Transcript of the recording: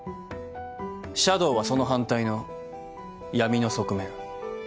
シャドウはその反対の闇の側面。